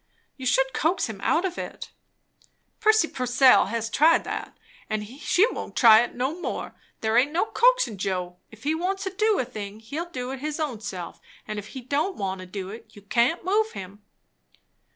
"You should coax him out of it." "Prissy Purcell has tried that, and she won't try it no more. There aint no coaxin' Joe. If he wants to do a thing, he'll do it his own self; and if he don't want to do it, you can't move him."